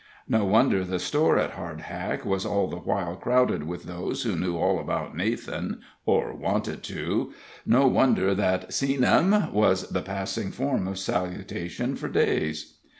No wonder the store at Hardhack was all the while crowded with those who knew all about Nathan, or wanted to no wonder that "Seen 'm?" was the passing form of salutation for days.